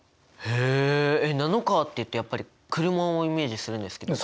へえナノカーっていうとやっぱり車をイメージするんですけど。